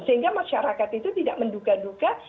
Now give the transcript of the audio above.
sehingga masyarakat itu tidak menduga duga